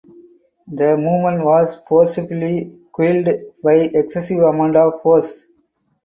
The movement was forcibly quelled by excessive amount of force.